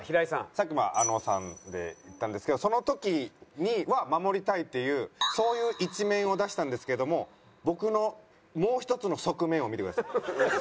さっきまああのさんでいったんですけどその時には守りたいっていうそういう一面を出したんですけれども僕のもう一つの側面を見てください。